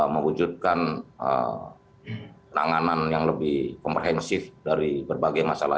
mewujudkan penanganan yang lebih komprehensif dari berbagai masalah